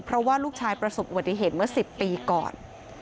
เพราะว่าลูกชายประสบอุบัติเหตุเมื่อ๑๐ปีก่อน